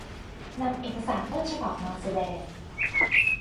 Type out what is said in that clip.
นำเอกสารต้นฉบับมาแสดง